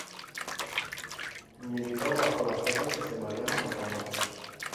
Militó bajo las órdenes de Mariano Matamoros.